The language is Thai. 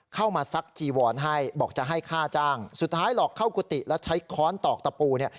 ซักจีวอนให้บอกจะให้ค่าจ้างสุดท้ายหลอกเข้ากุฏิแล้วใช้ค้อนตอกตะปูเนี่ย